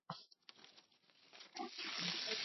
Alifikishwa kortini baada ya kunyakua shamba